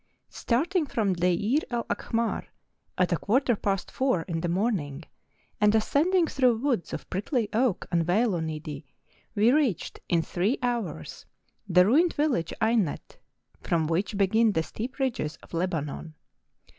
Starting from Deir el Akhmar, at a quarter past four in the morning, and ascending through woods of prickly oak and vselonidi, we reached in three hours the ruined village Ainnet, from which begin the steep ridges of Lebanon.